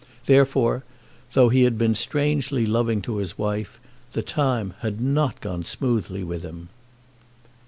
Therefore, though he had been strangely loving to his wife, the time had not gone smoothly with him.